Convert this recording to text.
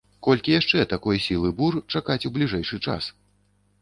Колькі яшчэ такой сілы бур чакаць у бліжэйшы час?